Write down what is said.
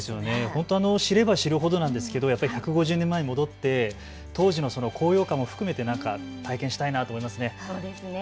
本当に知れば知るほどなんですけれども１５０年前に戻って当時の高揚感も含めて体験したいと思いますね。